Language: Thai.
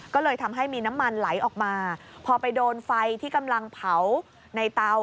ก็เลยทำให้มีน้ำมันไหลออกมาพอไปโดนไฟที่กำลังเผาในเตา